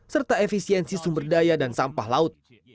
serta efisiensi sumber daya dan sampah laut